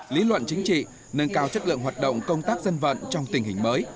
lý luận chính trị nâng cao chất lượng hoạt động công tác dân vận trong tình hình mới